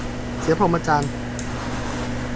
เสียพรหมจรรย์